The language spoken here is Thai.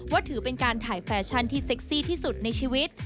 ถือเป็นการถ่ายแฟชั่นที่เซ็กซี่ที่สุดในชีวิต